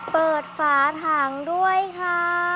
เปิดฝาถังด้วยค่ะ